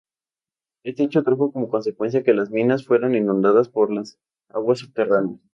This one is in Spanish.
Este hecho trajo como consecuencia que las minas fueran inundadas por las aguas subterráneas.